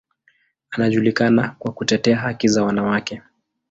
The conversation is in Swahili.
Anajulikana kwa kutetea haki za wanawake.